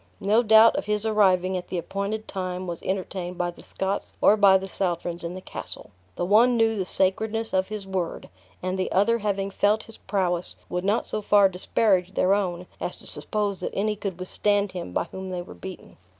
No doubt of his arriving at the appointed time was entertained by the Scots or by the Southrons in the castle; the one knew the sacredness of his word, and the other having felt his prowess, would not so far disparage their own as to suppose that any could withstand him by whom they were beaten.